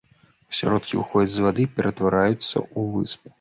У асяродкі выходзяць з вады і ператвараюцца ў выспы.